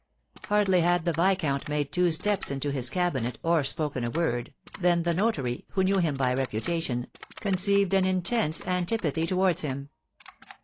Hardly had the viscount made two steps into his cabinet, or spoken a word, than the notary, who knew him by reputation, conceived an intense antipathy towards him.